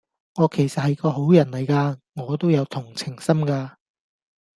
我其實係個好人嚟架，我都有同情心㗎